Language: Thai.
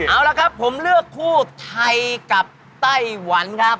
เอาละครับผมเลือกคู่ไทยกับไต้หวันครับ